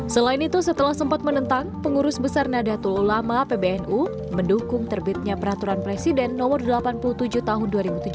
selain itu setelah sempat menentang pengurus besar nadatul ulama pbnu mendukung terbitnya peraturan presiden no delapan puluh tujuh tahun dua ribu tujuh belas